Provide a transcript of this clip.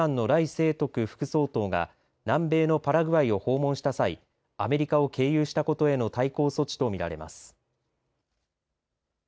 清徳副総統が南米のパラグアイを訪問した際アメリカを経由したことへの対抗措置とみられます。